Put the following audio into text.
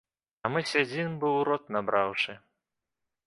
А мы сядзім, бы ў рот набраўшы.